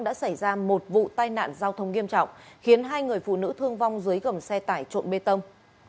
đã xảy ra một vụ tai nạn giao thông nghiêm trọng khiến hai người phụ nữ thương vong dưới gầm xe tải trộn bê tông